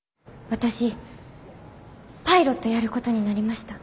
私パイロットやることになりました。